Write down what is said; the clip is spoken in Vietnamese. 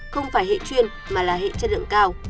không phải hệ chuyên mà là hệ chất lượng cao